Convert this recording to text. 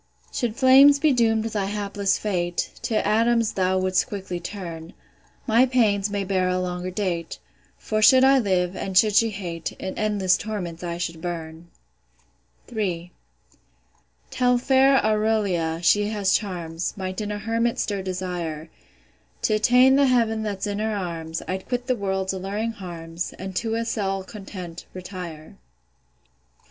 Should flames be doom'd thy hapless fate, To atoms thou wouldst quickly turn: My pains may bear a longer date; For should I live, and should she hate, In endless torments I should burn. III. Tell fair AURELIA, she has charms, Might in a hermit stir desire. T' attain the heav'n that's in her arms, I'd quit the world's alluring harms, And to a cell content, retire. IV.